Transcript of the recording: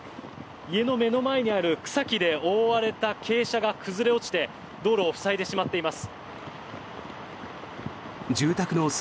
家の目の前にある草木で覆われた傾斜が崩れ落ちて道路を塞いでしまっています。